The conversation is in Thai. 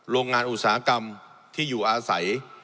โรงงานอุตสาหกรรมที่อยู่อาศัย